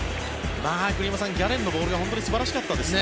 栗山さん、ギャレンのボールが本当に素晴らしかったですね。